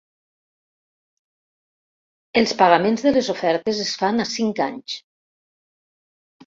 Els pagaments de les ofertes es fan a cinc anys.